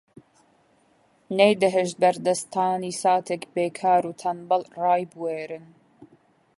نەیدەهێشت بەردەستانی ساتێک بێکار و تەنبەڵ ڕایبوێرن